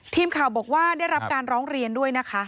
ทีมข่าวบอกว่าได้รับการร้องเรียนด้วยนะคะ